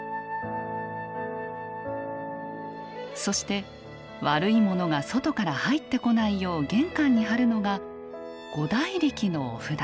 そして悪いモノが外から入ってこないよう玄関に貼るのが五大力のお札。